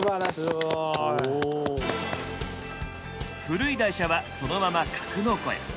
古い台車はそのまま格納庫へ。